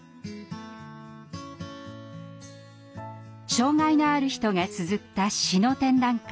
障害のある人がつづった詩の展覧会